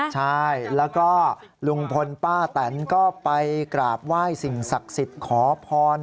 ใช่แล้วก็ลุงพลป้าแตนก็ไปกราบไหว้สิ่งศักดิ์สิทธิ์ขอพร